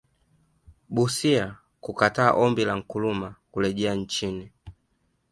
Busia kukataa Ombi la Nkrumah kurejea nchini